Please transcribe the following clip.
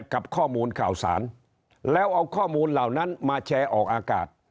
กับข้อมูลข่าวสารแล้วเอาข้อมูลเหล่านั้นมาแชร์ออกอากาศ